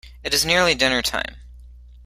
It is nearly dinner-time.